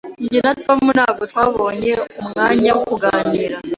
Jye na Tom ntabwo twabonye umwanya wo kuganira.